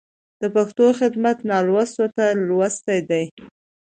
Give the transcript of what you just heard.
د پښتو خدمت نالوستو ته لوست دی.